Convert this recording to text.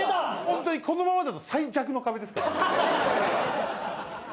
ホントにこのままだと最弱の壁ですからね。